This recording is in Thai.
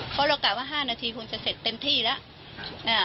เพราะเรากะว่า๕นาทีคงจะเสร็จเต็มที่แล้ว